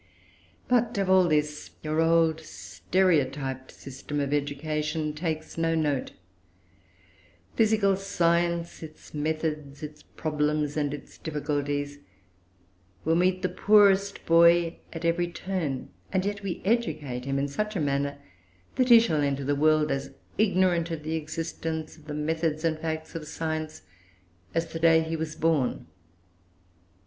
But of all this your old stereotyped system of education takes no note. Physical science, its methods, its problems, and its difficulties, will meet the poorest boy at every turn, and yet we educate him in such a manner that he shall enter the world as ignorant of the existence of the methods and facts of science as the day he was born.